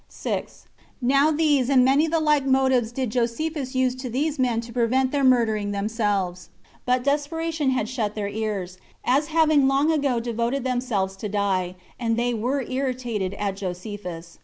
6. Now these and many the like motives did Josephus use to these men to prevent their murdering themselves; but desperation had shut their ears, as having long ago devoted themselves to die, and they were irritated at Josephus.